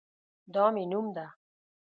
دا مې نوم ده